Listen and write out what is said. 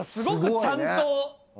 ちゃんと。